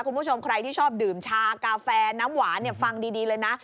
คุณผู้ชมใครที่ชอบดื่มชากาแฟน้ำหวานฟังดีเลยนะ